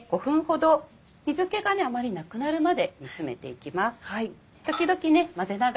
水気があまりなくなるまで煮詰めていきます。